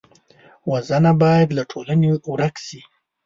وژنه باید له ټولنې ورک شي